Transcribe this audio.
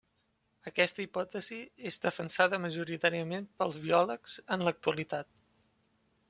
Aquesta hipòtesi és defensada majoritàriament pels biòlegs en l'actualitat.